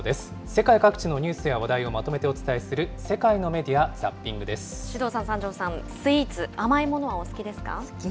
世界各地のニュースや話題をまとめてお伝えする世界のメディア・首藤さん、三條さん、スイー好きです。